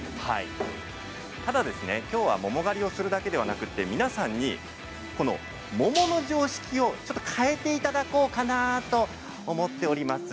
ただ、きょうは桃狩りをするだけではなくて皆さんに桃の常識をちょっと変えていただこうかなと思っております。